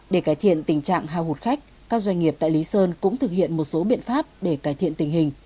để cải thiện tình trạng hao hụt khách các doanh nghiệp tại lý sơn cũng thực hiện một số biện pháp để cải thiện tình hình